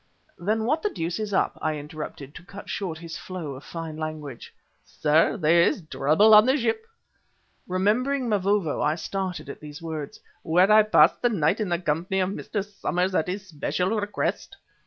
"Then what the deuce is up?" I interrupted, to cut short his flow of fine language. "Sir, there is trouble on the ship" (remembering Mavovo I started at these words) "where I passed the night in the company of Mr. Somers at his special request."